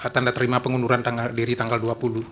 tanda terima pengunduran diri tanggal dua puluh